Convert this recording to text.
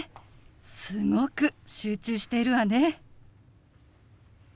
すごく集中しているわね。